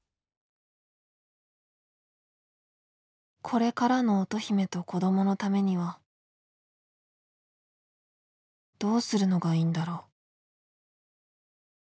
これからの乙姫と子どものためにはどうするのがいいんだろう？